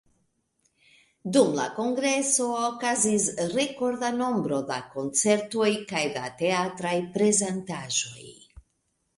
Dum la Kongreso okazis rekorda nombro da koncertoj kaj da teatraj prezentaĵoj.